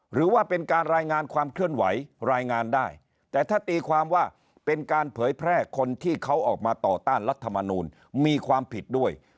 หรือว่าเป็นการรายงานความเคลื่อนไหวรายงานได้แต่ถ้าตีความว่าเป็นการเผยแพร่คนที่เขาออกมาต่อต้านรัฐมนูลมีความผิดด้วย